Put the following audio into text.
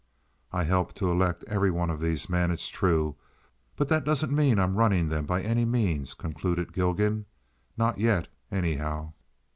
"I helped to elect every one of these men, it's true; but that doesn't mean I'm running 'em by any means," concluded Gilgan. "Not yet, anyhow."